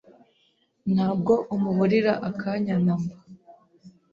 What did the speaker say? Ntabwo umuburira akanya namba